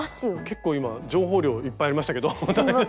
結構今情報量いっぱいありましたけど大丈夫ですか？